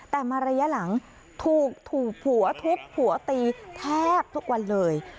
แต่มาระยะหลังถูกผัวทุบผัวตีแทบทุกวันเลย